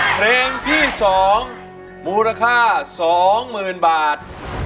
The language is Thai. เพลงที่สองมูลค่าสองหมื่นบาท